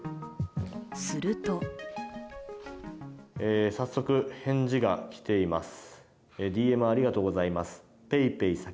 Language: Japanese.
すると早速返事が来ています。